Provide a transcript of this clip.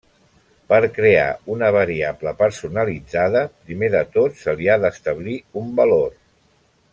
Per crear una variable personalitzada, primer de tot se li ha d'establir un valor.